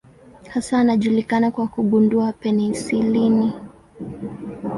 Hasa anajulikana kwa kugundua penisilini.